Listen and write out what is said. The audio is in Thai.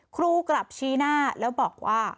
ครูกลับชี้หน้าแล้วบอกว่า